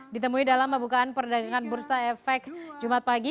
ditemui dalam pembukaan perdagangan bursa efek jumat pagi